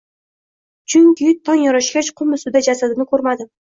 chunki tong yorishgach, qum ustida jasadini ko‘rmadim.